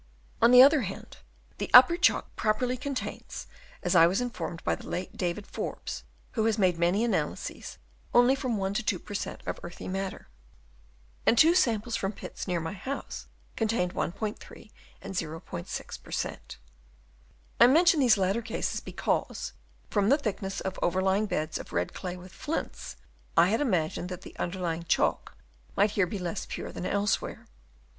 On the other hand the Upper Chalk properly contains, as I was informed by the late David Forbes who had made many analyses, only from 1 to 2 per cent, of earthy matter ; and two samples from pits near my house con Chap. VI. MOULD OYER THE CHALK. 303 tained 1*3 and 0*6 per cent. I mention these latter cases because, from the thickness of the overlying bed of red clay with flints, I had imagined that the underlying chalk might here be less pure than elsewhere.